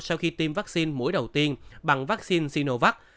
sau khi tiêm vaccine mũi đầu tiên bằng vaccine sinovac